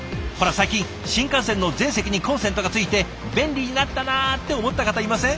最近新幹線の全席にコンセントが付いて便利になったなって思った方いません？